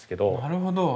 なるほど。